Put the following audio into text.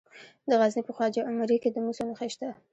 د غزني په خواجه عمري کې د مسو نښې شته.